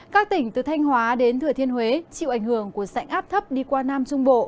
các tỉnh từ thanh hóa đến thừa thiên huế chịu ảnh hưởng của sảnh áp thấp đi qua nam trung bộ